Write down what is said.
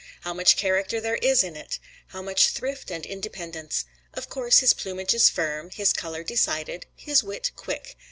How much character there is in it! How much thrift and independence! Of course his plumage is firm, his color decided, his wit quick.